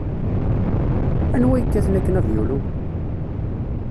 Anwa yekkaten akken avyulu?